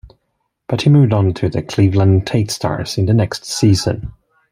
But he moved on to the Cleveland Tate Stars in the next season.